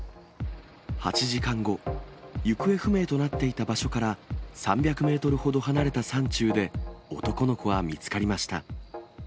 ８時間後、行方不明となっていた場所から３００メートルほど離れた山中で、男の子は見つかりました。